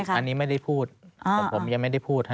อันนี้ไม่ได้พูดผมยังไม่ได้พูด